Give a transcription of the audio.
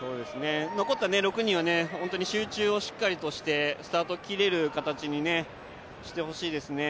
残った６人は集中をしっかりしてスタートを切れる形にしてほしいですね。